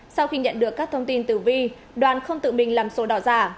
sau khi nhận được các thông tin từ vi đoàn không tự mình làm sổ đỏ giả